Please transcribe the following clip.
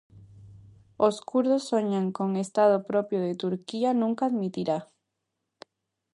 Os kurdos soñan cun Estado propio que Turquía nunca admitirá.